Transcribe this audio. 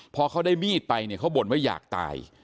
พอเขาได้มีดไปเนี่ยเขาบ่นว่าอยากตาย